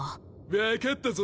分かったぞ！